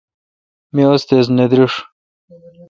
می استیز نہ دریݭ۔